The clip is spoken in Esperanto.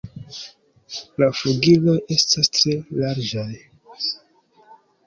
La flugiloj estas tre larĝaj.